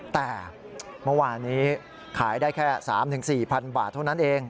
แต่เมื่อวานนี้ขายได้แค่๓๔๐๐บาทเท่านั้นเอง